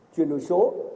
chuyển đổi số